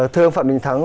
thưa ông phạm bình thắng